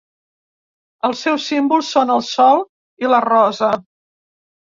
Els seus símbols són el sol i la rosa.